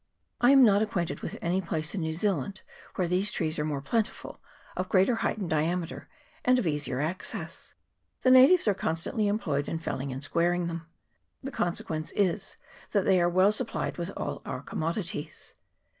I am not acquainted with any place in New Zealand where these trees are more plentiful, of greater height and diameter, and of easier access. The natives are constantly employed in felling and squaring them. The consequence is, that they are well supplied with all our commodities.